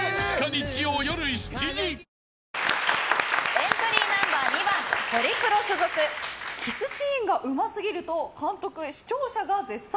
エントリーナンバー２番ホリプロ所属キスシーンがうますぎると監督、視聴者が絶賛！